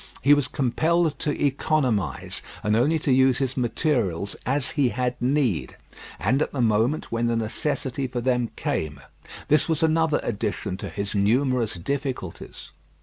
He was compelled to economise, and only to use his materials as he had need, and at the moment when the necessity for them came. This was another addition to his numerous difficulties.